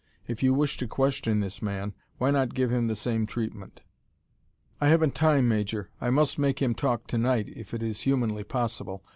If you wish to question this man, why not give him the same treatment?" "I haven't time, Major. I must make him talk to night if it is humanly possible.